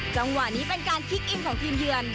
จังหวะนี้เป็นการคลิกอินของทีมเยือน